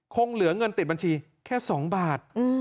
คงเหลือเงินติดบัญชีแค่๒บาท